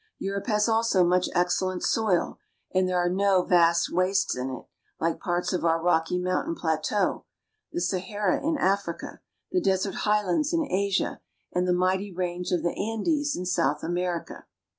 Europe has also much excellent soil, and there are no vast wastes in it, like parts of our Rocky Mountain plateau, the Sahara in Africa, the desert highlands in Asia, and the mighty range of the Andes in South America.